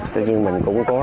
tuy nhiên mình cũng có